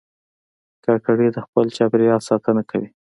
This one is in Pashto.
کاکړي د خپل چاپېریال ساتنه کوي.